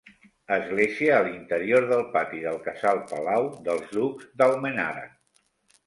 Església a l'interior del pati del casal-palau dels ducs d'Almenara.